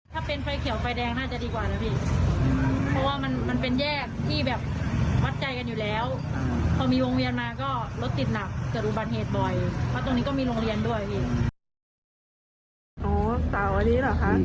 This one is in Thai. ถ้าเป็นไฟเขียวไฟแดงน่าจะดีกว่านะครับพี่